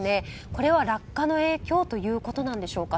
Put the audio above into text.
これは落下の影響ということなんでしょうか？